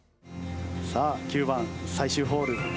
さあ９番最終ホール。